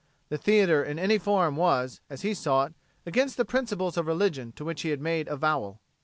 The theater in any form was, as he saw it, against the principles of religion to which he had made avowal.